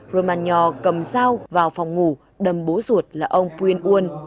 roma nhò cầm sao vào phòng ngủ đầm bố ruột là ông quyền uân